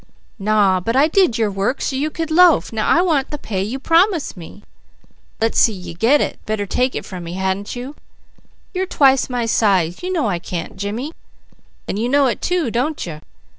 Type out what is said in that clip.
_" "Naw! But I did your work so you could loaf; now I want the pay you promised me." "Let's see you get it! Better take it from me, hadn't you?" "You're twice my size; you know I can't, Jimmy!" "_Then you know it too, don't you?